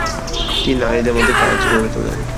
তিনি নারীদের মধ্যে কাজ গড়ে তোলেন।